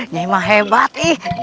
nyai mah hebat ih